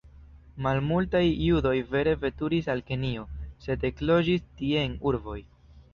Malmultaj judoj vere veturis al Kenjo, sed ekloĝis tie en urboj.